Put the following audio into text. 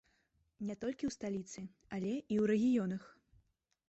Не толькі ў сталіцы, але і ў рэгіёнах.